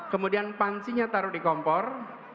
kemudian pancinya taruh di kompor